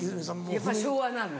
やっぱ昭和なの？